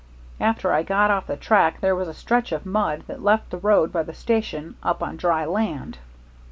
After I got off the track there was a stretch of mud that left the road by the station up on dry land.